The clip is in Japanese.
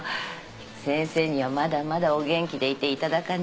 先生にはまだまだお元気でいていただかないと。